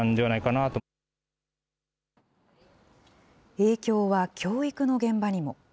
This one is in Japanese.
影響は教育の現場にも。